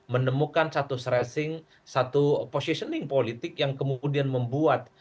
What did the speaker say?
menemukan satu stressing satu positioning politik yang kemudian membuat